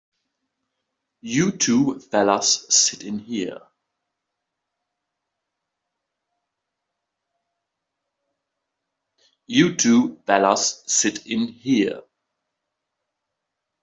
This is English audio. You two fellas sit in here.